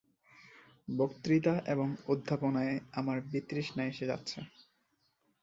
বক্তৃতা এবং অধ্যাপনায় আমার বিতৃষ্ণা এসে যাচ্ছে।